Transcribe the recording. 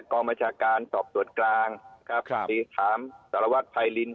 กองบัญชาการสอบสวนกลางครับครับถามสารวัตรภัยลินทร์